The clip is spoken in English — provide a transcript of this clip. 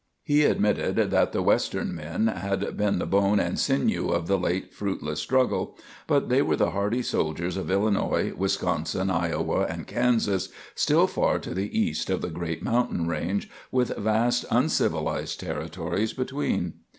He admitted that the Western men had been the bone and sinew of the late fruitless struggle; but they were the hardy soldiers of Illinois, Wisconsin, Iowa, and Kansas, still far to the east of the great mountain range, with vast uncivilized Territories between.